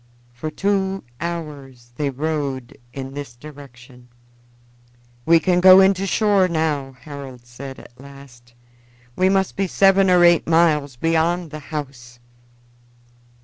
For two hours they rowed in this direction. "We can go in to shore now," Harold said at last. "We must be seven or eight miles beyond the house."